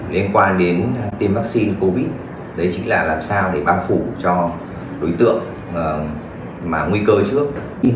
liên quan đến tiêm vaccine covid một mươi chín đấy chính là làm sao để ban phủ cho đối tượng nguy cơ trước